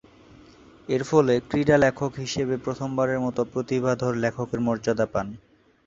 এরফলে ক্রীড়া লেখক হিসেবে প্রথমবারের মতো প্রতিভাধর লেখকের মর্যাদা পান।